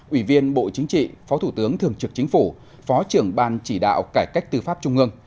ủy viên bộ chính trị phó thủ tướng thường trực chính phủ phó trưởng ban chỉ đạo cải cách tư pháp trung ương